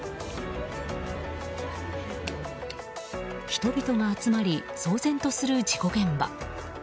人々が集まり騒然とする事故現場。